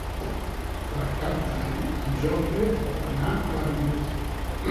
Per Cap d'Any en Jofre vol anar a la biblioteca.